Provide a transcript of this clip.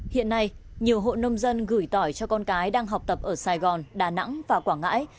hiện nay nhiều hộ nông dân gửi tỏi cho con cái đang học tập ở sài gòn đà nẵng và quảng ngãi